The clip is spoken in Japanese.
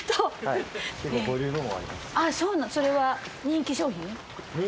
それは人気商品？